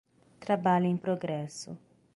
Trabalho em progresso.